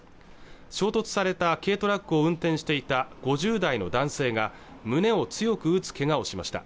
衝突された軽トラックを運転していた５０代の男性が胸を強く打つけがをしました